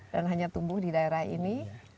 dan hanya tumbuh di daerah ini